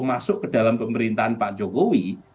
masuk ke dalam pemerintahan pak jokowi